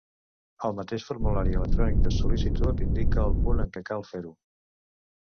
El mateix formulari electrònic de sol·licitud indica el punt en què cal fer-ho.